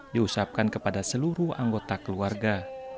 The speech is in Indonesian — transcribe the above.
diucapkan kepada seluruh anggota keluarga